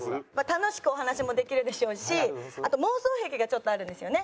楽しくお話もできるでしょうしあと妄想癖がちょっとあるんですよね？